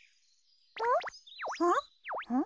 ん？